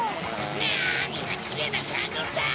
なにがキレイなキャンドルだ！